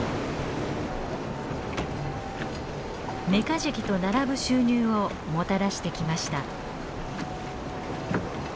メカジキと並ぶ収入をもたらしてきました。